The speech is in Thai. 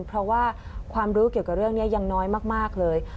เพราะว่าความรู้เกี่ยวกับเรื่องนี้ยังน้อยมากเลย